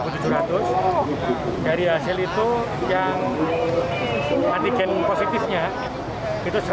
dari hasil itu yang antigen positifnya itu satu ratus tujuh puluh sembilan